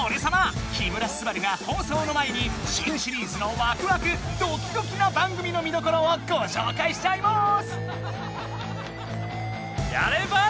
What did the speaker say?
木村昴が放送の前に新シリーズのワクワクドキドキな番組の見どころをごしょうかいしちゃいます！